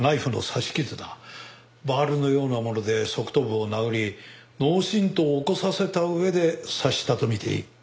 バールのようなもので側頭部を殴り脳振盪を起こさせた上で刺したと見ていい。